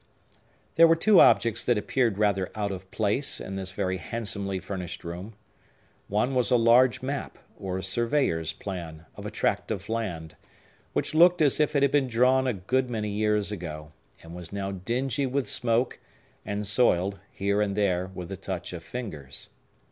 There were two objects that appeared rather out of place in this very handsomely furnished room. One was a large map, or surveyor's plan, of a tract of land, which looked as if it had been drawn a good many years ago, and was now dingy with smoke, and soiled, here and there, with the touch of fingers.